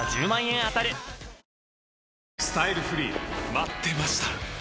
待ってました！